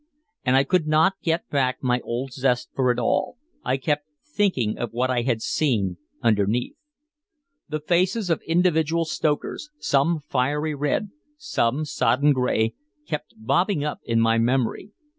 And I could not get back my old zest for it all, I kept thinking of what I had seen underneath. The faces of individual stokers, some fiery red, some sodden gray, kept bobbing up in my memory.